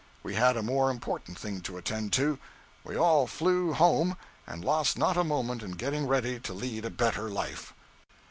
We had a more important thing to attend to: we all flew home, and lost not a moment in getting ready to lead a better life.